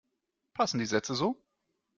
Passen die Sätze so?